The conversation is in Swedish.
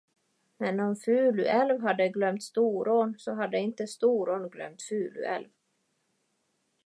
Men om Fuluälv hade glömt Storån, så hade inte Storån glömt Fuluälv.